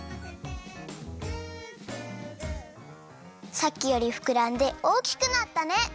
さっきよりふくらんでおおきくなったね！